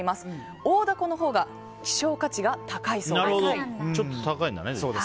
大ダコのほうが希少価値が高いそうです。